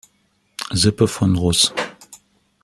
Sippe von russ.